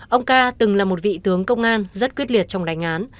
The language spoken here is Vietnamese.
ông ca từng là một vị tướng công an rất quyết liệt trong đánh án